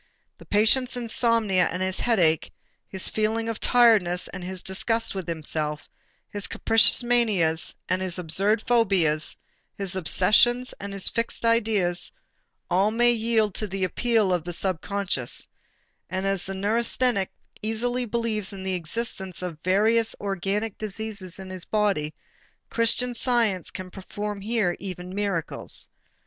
The patient's insomnia and his headache, his feeling of tiredness and his disgust with himself, his capricious manias and his absurd phobias, his obsessions and his fixed ideas all may yield to the "appeal to the subconscious," and as a neurasthenic easily believes in the existence of various organic diseases in his body, Christian Science can perform here even "miracles."